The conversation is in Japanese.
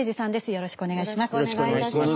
よろしくお願いします。